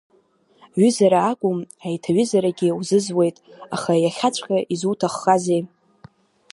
Ҩызара акәым, аиҭаҩызарагьы узызуеит, аха иахьаҵәҟьа изуҭаххазеи?